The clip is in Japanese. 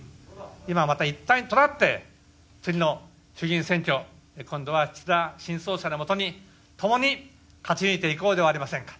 今また一体となって次の衆議院選挙、今度は岸田新総裁の下に、ともに勝ち抜いていこうではありませんか。